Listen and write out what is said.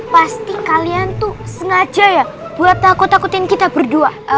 pasti kalian tuh sengaja ya buat takut takutin kita berdua